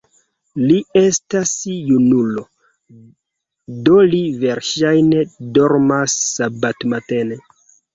Li estas junulo, do li verŝajne dormas sabatmatene.